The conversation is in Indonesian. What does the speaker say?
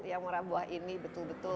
yang orang buah ini betul betul